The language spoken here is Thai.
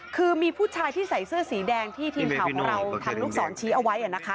คือมีผู้ชายที่ใส่เสื้อสีแดงที่ทีมข่าวของเราทำลูกศรชี้เอาไว้นะคะ